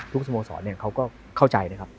สโมสรเขาก็เข้าใจนะครับ